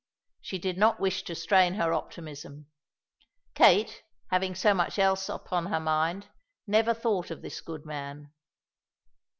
She did not wish to strain her optimism. Kate, having so much else upon her mind, never thought of this good man.